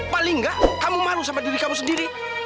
paling nggak kamu malu sama diri kamu sendiri